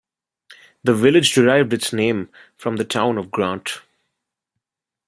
The village derived its name from the Town of Grant.